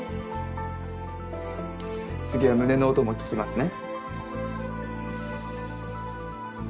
次は胸の音も聞きますね。